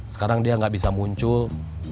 sekarang dia nggak bisa muncul